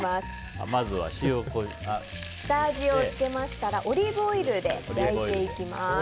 下味をつけましたらオリーブオイルで焼いていきます。